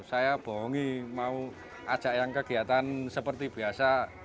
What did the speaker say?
saya bohongi mau ajak yang kegiatan seperti biasa